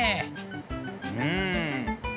うん。